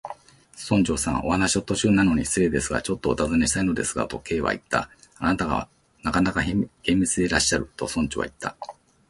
「村長さん、お話の途中なのに失礼ですが、ちょっとおたずねしたいのですが」と、Ｋ はいった。「あなたはなかなか厳密でいらっしゃる」と、村長はいった。